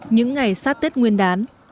những ngày sát tết nguyên đán